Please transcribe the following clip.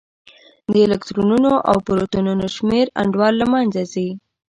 د الکترونونو او پروتونونو شمېر انډول له منځه ځي.